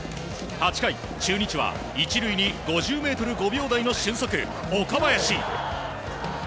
８回、中日は１塁に５０ｍ５秒台の俊足、岡林。